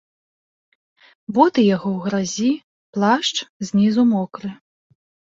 Боты яго ў гразі, плашч знізу мокры.